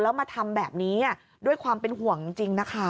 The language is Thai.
แล้วมาทำแบบนี้ด้วยความเป็นห่วงจริงนะคะ